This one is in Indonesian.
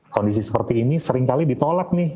kondisi seperti ini seringkali ditolak nih